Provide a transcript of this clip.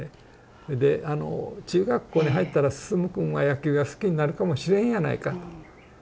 それであの「中学校に入ったら晋くんは野球が好きになるかもしれんやないか。